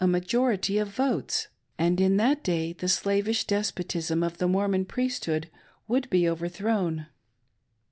majority, of votes, and in that day the slavish despotism of the Mormon Priesthood would be overthrown.